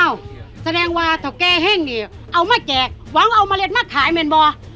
อ้าวแสดงว่าเถาแกรเห็งหน่อยเอามาแก๋กหวังออกมาเล็ดมาข้ายเม่นบอร์